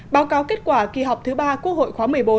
báo cáo kết quả kỳ họp thứ ba quốc hội khóa một mươi bốn